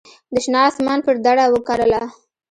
د شنه اسمان پر دړه وکرله